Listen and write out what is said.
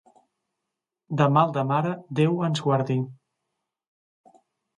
De mal de mare, Déu ens guardi.